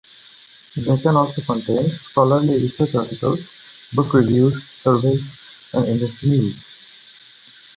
They can also contain scholarly research articles, book reviews, surveys, and industry news.